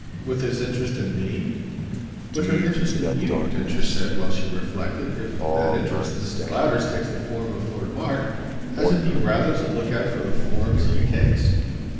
"With his interest in me?" "With her own interest in you," Densher said while she reflected. "If that interest Mrs. Lowder's takes the form of Lord Mark, hasn't he rather to look out for the forms HE takes?"